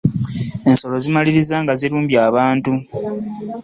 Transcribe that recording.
Ensolo zimaliriza nga zirumbye abantu.